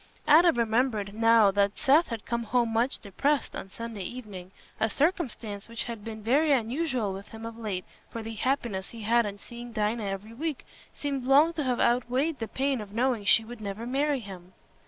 Adam remembered now that Seth had come home much depressed on Sunday evening, a circumstance which had been very unusual with him of late, for the happiness he had in seeing Dinah every week seemed long to have outweighed the pain of knowing she would never marry him.